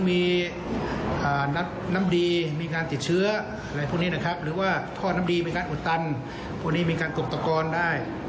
มีนัดน้ำดีมีการติดเชื้ออะไรพวกนี้นะครับหรือว่าท่อน้ำดีมีการอุดตันพวกนี้มีการตกตะกอนได้